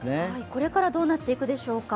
これからどうなっていくでしょうか？